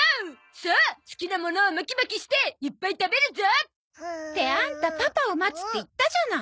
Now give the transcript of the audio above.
さあ好きなものをマキマキしていっぱい食べるゾ！ってアンタパパを待つって言ったじゃない。